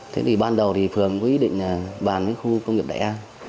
thế thì ban đầu thì phường có ý định là bàn với khu công nghiệp đại an